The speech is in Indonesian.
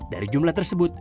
dari jumlah tersebut